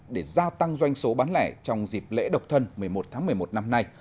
để gia tăng doanh số bán lẻ trong dịp lễ độc thân một mươi một tháng một mươi một năm nay